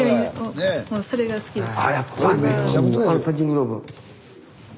もうそれが好きです。